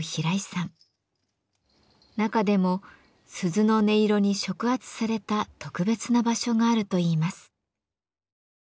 中でも鈴の音色に触発された特別な場所があるといいます。